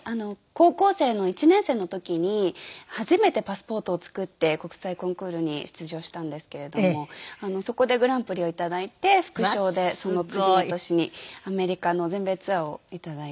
高校生の１年生の時に初めてパスポートを作って国際コンクールに出場したんですけれどもそこでグランプリをいただいて副賞でその次の年にアメリカの全米ツアーをいただいてはい。